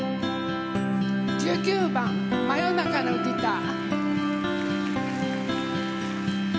１９番「真夜中のギター」。